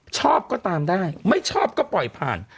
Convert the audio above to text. ชอบก็ตามได้ไม่ชอบก็ปล่อยผ่าน